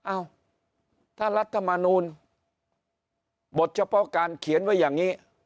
อ้าวถ้ารัฐมนูลบทเฉพาะการเขียนไว้อย่างนี้